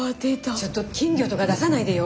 ちょっと金魚とか出さないでよ。